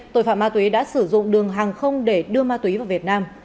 tội phạm ma túy đã sử dụng đường hàng không để đưa ma túy vào việt nam